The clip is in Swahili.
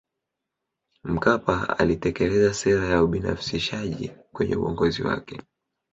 mkapa alitekeleza sera ya ubinafishaji kwenye uongozi wake